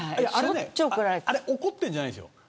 あれ怒っているんじゃないんですよ。